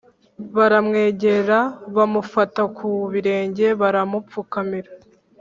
baramwegera bamufata ku birenge, baramupfukamira